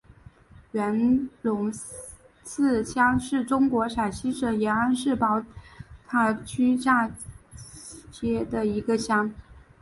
元龙寺乡是中国陕西省延安市宝塔区下辖的一个乡。